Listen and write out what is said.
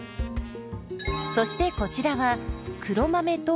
そしてこちらは黒豆ともち。